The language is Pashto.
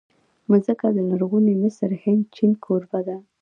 مځکه د لرغوني مصر، هند، چین کوربه ده.